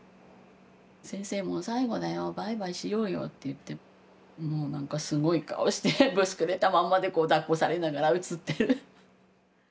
「先生もう最後だよバイバイしようよ」って言ってももう何かすごい顔してブスくれたまんまで抱っこされながら写ってる。